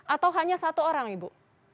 atau hanya satu orang ibu